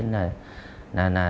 chủ phương tiện